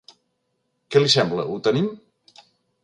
Què li sembla, ho tenim?